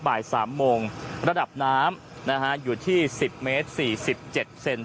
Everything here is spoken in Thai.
บ่ายสามโมงระดับน้ำนะฮะอยู่ที่สิบเมตรสี่สิบเจ็ดเซนติเมตร